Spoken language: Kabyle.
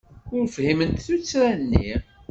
Ur fhiment tuttra-nni.